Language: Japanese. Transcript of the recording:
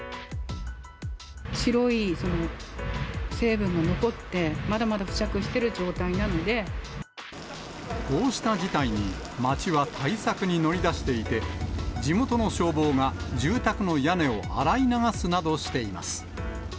白い成分が残って、まだまだこうした事態に、町は対策に乗り出していて、地元の消防が住宅の屋根を洗い流すなどしています。